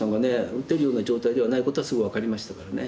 打てるような状態ではないことはすぐ分かりましたからね。